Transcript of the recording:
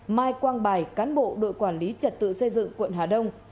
mai quang bài cán bộ đội quản lý trật tự xây dựng quận hà đông